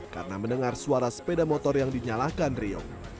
karena mendengar suara sepeda motor yang dinyalakan rio